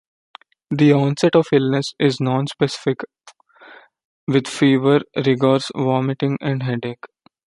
The onset of the illness is nonspecific with fever, rigors, vomiting, and headache.